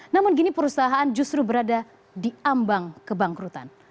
namun kini perusahaan justru berada di ambang kebangkrutan